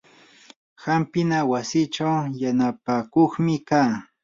hampina wasichaw yanapakuqmi kaa.